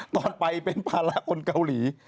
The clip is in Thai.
ตอนไปเป็นภาระคนเกาหลี